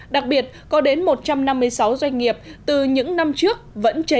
đặc biệt có đến một trăm năm mươi sáu doanh nghiệp từ những năm trước vẫn chưa